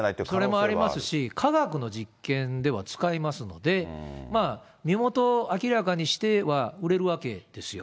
それもありますし、科学の実験では使いますので、身元を明らかにしては売れるわけですよ。